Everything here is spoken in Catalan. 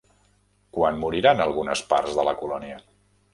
Quan moriran algunes parts de la colònia?